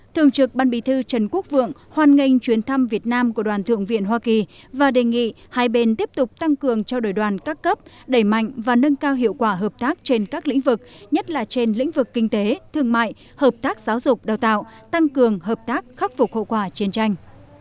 thường trực ban bì thư trần quốc vượng hoan nghênh chuyến thăm việt nam của đoàn thượng viện hoa kỳ và đề nghị hai bên tiếp tục tăng cường trao đổi đoàn các cấp đẩy mạnh và nâng cao hiệu quả hợp tác trên các lĩnh vực nhất là trên lĩnh vực kinh tế thương mại hợp tác giáo dục đào tạo tăng cường hợp tác khắc phục hậu quả chiến tranh